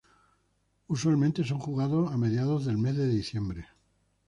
Usualmente son jugados a mediados del mes de diciembre.